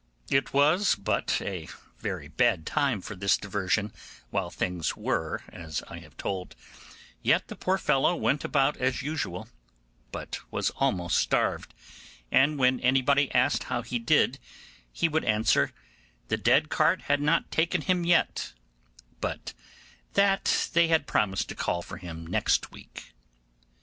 It was but a very bad time for this diversion while things were as I have told, yet the poor fellow went about as usual, but was almost starved; and when anybody asked how he did he would answer, the dead cart had not taken him yet, but that they had promised to call for him next week.